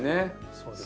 そうですね。